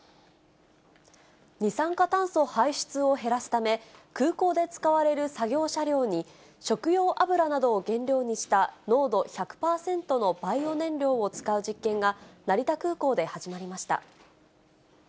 二酸化炭素排出を減らすため、空港で使われる作業車両に、食用油などを原料にした濃度１００％のバイオ燃料を使う実験が、成田空港で始まりました。